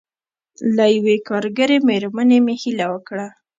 له یوې کارګرې مېرمنې مې هیله وکړه.